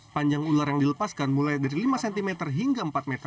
panjang ular yang dilepaskan mulai dari lima cm hingga empat meter